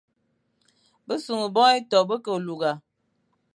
Besughʼé bone ieto be ke lugha.